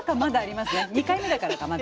２回目だからかまだ。